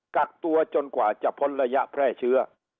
กักตัวจนกว่าจะพ้นระยะแพร่เชื้อ